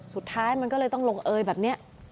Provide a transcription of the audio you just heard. สุดท้ายมันก็เลยต้องลงเอยแบบนี้